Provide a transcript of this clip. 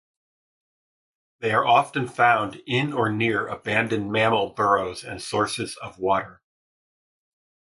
They are often found in or near abandoned mammal burrows and sources of water.